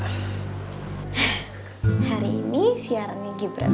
hah hari ini siaran nih gibran